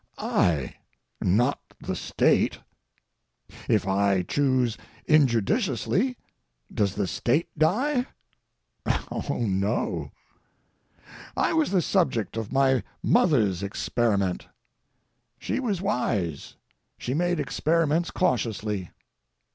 I, not the State. If I choose injudiciously, does the State die? Oh no. I was the subject of my mother's experiment. She was wise. She made experiments cautiously.